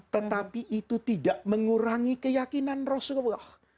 tetapi itu tidak mengurangi keyakinan rasulullah